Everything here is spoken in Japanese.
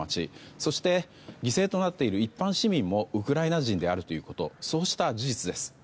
そして犠牲となっている一般市民もウクライナ人であるということそうした事実です。